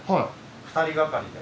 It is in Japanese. ２人がかりで。